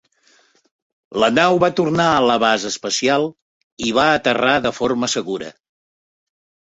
La nau va tornar a la base espacial i va aterrar de forma segura.